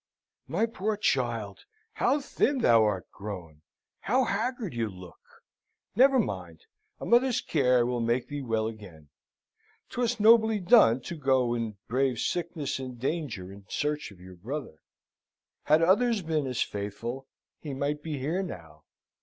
"My poor child! How thin thou art grown how haggard you look! Never mind. A mother's care will make thee well again. 'Twas nobly done to go and brave sickness and danger in search of your brother. Had others been as faithful, he might be here now.